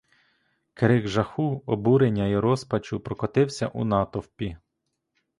Крик жаху, обурення й розпачу прокотився у натовпі.